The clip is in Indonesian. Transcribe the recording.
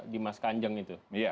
di mas kanjeng itu